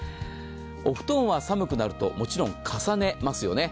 お布団は寒くなるともちろん重ねますよね。